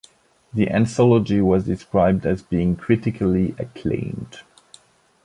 The anthology was described as being "critically acclaimed".